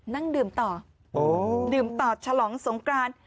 นั่งดื่มต่อดื่มต่อฉลองสงกราน